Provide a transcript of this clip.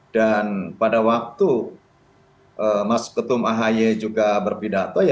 dan pada waktu mas ketum ahaye juga berpidato ya